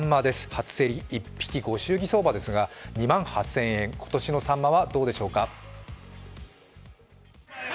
初競り、１匹、御祝儀相場ですが２万８０００円、今年のサンマはどうでしょうか。